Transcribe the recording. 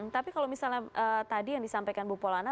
tapi kalau misalnya tadi yang disampaikan bu polana